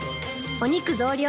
お肉増量！